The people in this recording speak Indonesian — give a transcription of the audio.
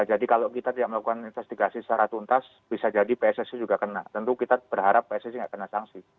jadi kalau kita tidak melakukan investigasi secara tuntas bisa jadi pssc juga kena tentu kita berharap pssc tidak kena sanksi